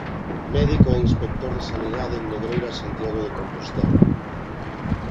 Médico e inspector de Sanidade en Negreira e Santiago de Compostela.